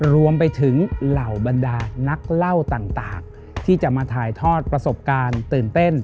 รวมไปถึงเหล่าบรรดานักเล่าต่างที่จะมาถ่ายทอดประสบการณ์ตื่นเต้น